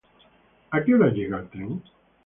¿A qué hora llega el tren?